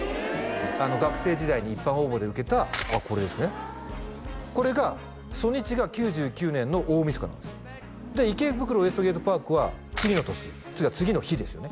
学生時代に一般応募で受けたあっこれですねこれが初日が９９年の大晦日なんですで「池袋ウエストゲートパーク」は次の年次の日ですよね